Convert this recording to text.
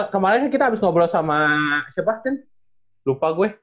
kemarin kita abis ngobrol sama siapa cien lupa gue